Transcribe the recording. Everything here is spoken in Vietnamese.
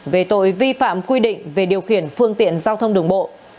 về tội vi phạm quy định về điều khiển phương tiện giao thông đường bộ